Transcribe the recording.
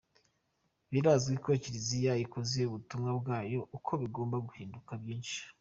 Birazwi ko Kiliziya ikoze ubutumwa bwayo uko bigomba hahinduka byinshi.